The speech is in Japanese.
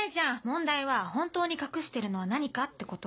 問題は本当に隠してるのは何かってこと。